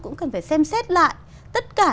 cũng cần phải xem xét lại tất cả